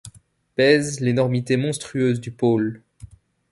Pèse l’énormité monstrueuse du pôle ;